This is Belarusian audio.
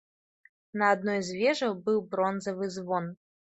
На адной з вежаў быў бронзавы звон.